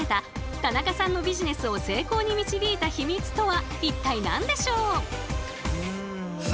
田中さんのビジネスを成功に導いたバラのヒミツとは一体何でしょうか？